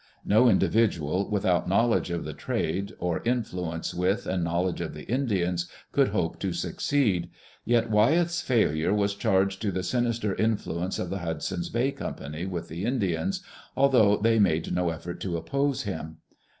No individual, without knowledge of the trade, or influence with and knowledge of the In dians, could hope to succeed ; yet Wyeth's failure was charged to the sinister influence of the Hudson's Bay Company with the Indians, although they made no effort to oppose him.